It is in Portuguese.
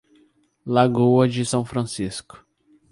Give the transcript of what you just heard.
Lagoa de São Francisco